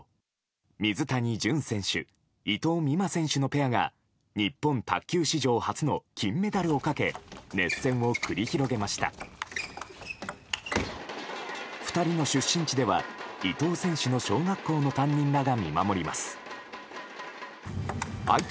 水谷隼選手伊藤美誠選手のペアが日本卓球史上初の金メダルをかけ熱戦を繰り広げました。